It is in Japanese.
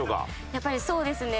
やっぱりそうですね